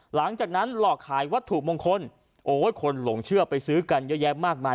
หลังจากนั้นหลอกขายวัตถุมงคลโอ้ยคนหลงเชื่อไปซื้อกันเยอะแยะมากมาย